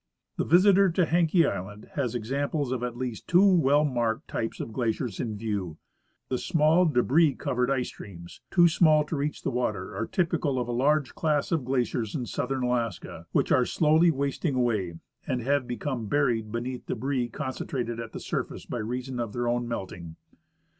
The visitor to Haenke island has examples of at least two well marked types of glaciers in view : The small debris covered ice streams, too small to reach the water, are typical of a large class of glaciers in southern Alaska, wdiich are slowly wasting away and have become buried beneath debris concentrated at the sur face by reason of their own melting.